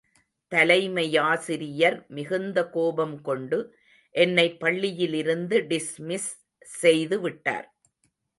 தலைமையாசிரியர் மிகுந்த கோபம் கொண்டு என்னை பள்ளியிலிருந்து டிஸ்மிஸ் செய்து விட்டார்.